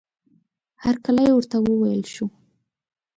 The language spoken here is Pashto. هرکلی ورته وویل شو.